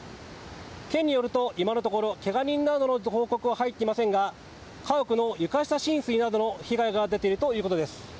県によると今のところけが人などの報告は入っていませんが家屋の床下浸水などの被害が出ているということです。